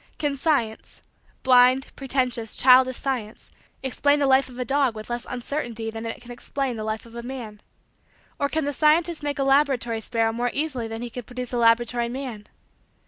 Can science blind, pretentious, childish science explain the life of a dog with less uncertainty than it can explain the life of a man? Or can the scientist make a laboratory sparrow more easily than he can produce a laboratory man?